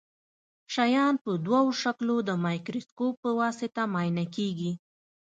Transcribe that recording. شیان په دوه شکلو د مایکروسکوپ په واسطه معاینه کیږي.